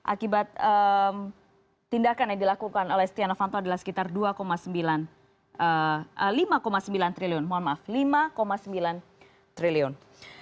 akibat tindakan yang dilakukan oleh setia novanto adalah sekitar dua sembilan lima sembilan triliun mohon maaf lima sembilan triliun